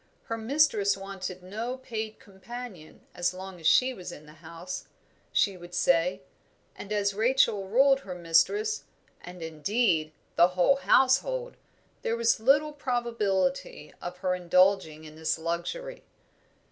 Her mistress wanted no paid companion as long as she was in the house, she would say; and as Rachel ruled her mistress and, indeed, the whole household, there was little probability of her indulging in this luxury.